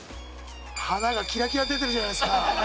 華がキラキラ出てるじゃないですか。